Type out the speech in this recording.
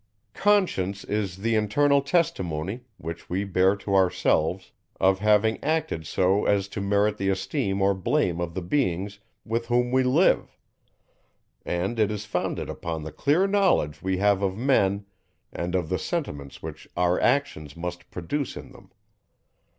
Conscience is the internal testimony, which we bear to ourselves, of having acted so as to merit the esteem or blame of the beings, with whom we live; and it is founded upon the clear knowledge we have of men, and of the sentiments which our actions must produce in them.